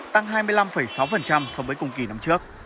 tăng hai mươi năm sáu so với cùng kỳ năm trước